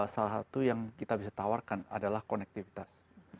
salah satu yang kita bisa tawarkan adalah konektivitas